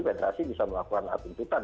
federasi bisa melakukan atur pitan